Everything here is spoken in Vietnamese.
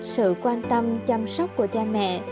sự quan tâm chăm sóc của cha mẹ